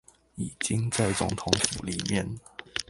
已經在總統府裡面